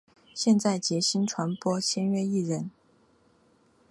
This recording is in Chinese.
现为杰星传播签约艺人。